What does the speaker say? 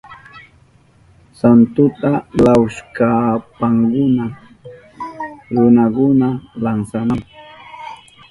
Santuta velahushpankuna runakuna lansanahun.